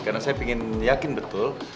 karena saya ingin yakin betul